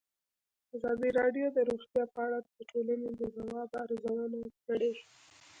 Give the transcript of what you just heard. ازادي راډیو د روغتیا په اړه د ټولنې د ځواب ارزونه کړې.